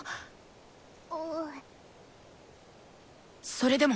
それでも。